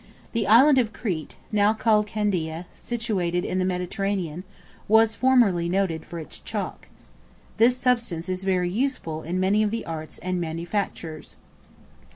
The Island of Crete, now called Candia, situated in the Mediterranean, was formerly noted for its chalk. This substance is very useful in many of the arts and manufactures.